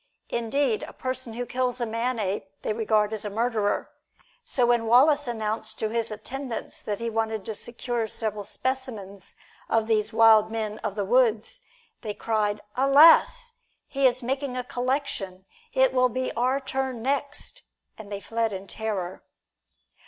Indeed, a person who kills a man ape, they regard as a murderer; and so when Wallace announced to his attendants that he wanted to secure several specimens of these "wild men of the woods," they cried, "Alas! he is making a collection: it will be our turn next!" And they fled in terror.